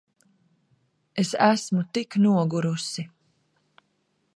Es esmu tik nogurusi.